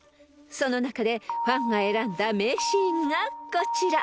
［その中でファンが選んだ名シーンがこちら］